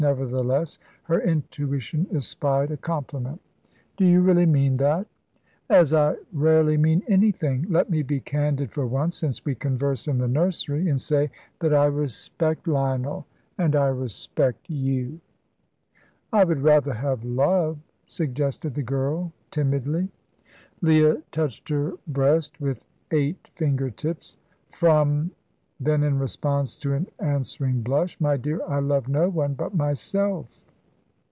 Nevertheless, her intuition espied a compliment. "Do you really mean that?" "As I rarely mean anything. Let me be candid for once, since we converse in the nursery, and say that I respect Lionel and I respect you." "I would rather have love," suggested the girl, timidly. Leah touched her breast with eight finger tips. "From " Then in response to an answering blush: "My dear, I love no one but myself."